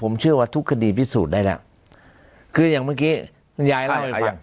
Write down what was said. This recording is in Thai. ผมเชื่อว่าทุกคดีพิสูจน์ได้แล้วคืออย่างเมื่อกี้คุณยายเล่าหลายอย่าง